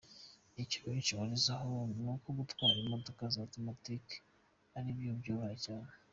Icyo benshi bahurizaho ni uko gutwara imodoka za automatic ari byo byoroha cyane.